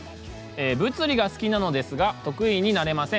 「物理が好きなのですが得意になれません。